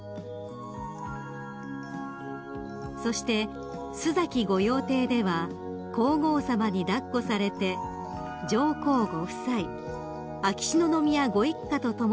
［そして須崎御用邸では皇后さまに抱っこされて上皇ご夫妻秋篠宮ご一家と共に海岸へ］